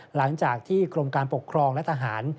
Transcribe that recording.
หลังจากที่กรมการปกครองและทหาร